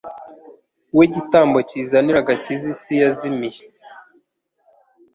we gitambo kizanira agakiza isi yazimiye.